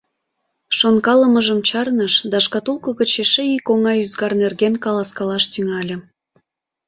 Шонкалымыжым чарныш да шкатулко гыч эше ик оҥай ӱзгар нерген каласкалаш тӱҥале.